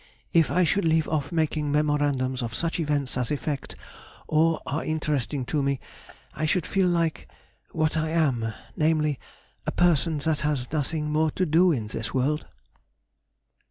"If I should leave off making memorandums of such events as affect, or are interesting to me, I should feel like—what I am, namely, a person that has nothing more to do in this world."